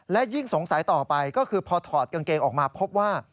และยิ่งสงสัยต่อไปก็คือพอถอดกางเกงออกมาพบว่า